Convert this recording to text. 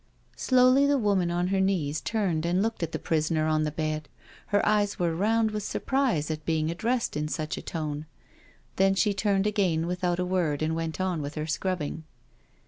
Slowly the woman on her knees turned and looked at the prisoner on the bed. Her eyes were round with surprise at being addressed in such a tone. Then she turned again without a word and went on with her scrubbing.